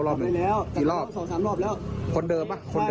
ผมตกใจเลยตอนนั้น